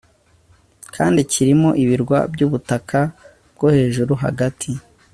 kandi kirimo ibirwa byubutaka bwo hejuru hagati